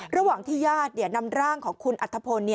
ระหว่างที่ญาตินำร่างของคุณอัธพล